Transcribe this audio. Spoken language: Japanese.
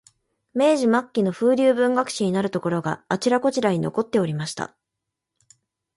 明治末期の風流文学史になるところが、あちらこちらに残っておりました